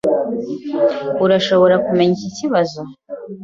Urashobora kumenya iki kibazo?